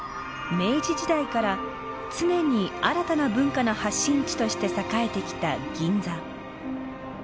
明治時代から常に新たな文化の発信地として栄えてきた銀座。